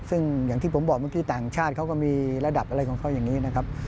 ซึ่งอย่างที่ผมบอกเมื่อกี้ต่างชาติเขาก็มีระดับอะไรของเขาอย่างนี้นะครับ